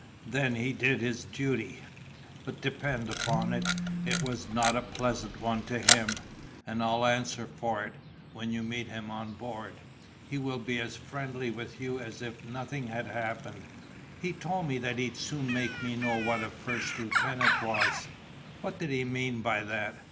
"Then he did his duty; but depend upon it, it was not a pleasant one to him; and I'll answer for it, when you meet him on board, he will be as friendly with you as if nothing had happened." "He told me that he'd soon make me know what a first lieutenant was: what did he mean by that?"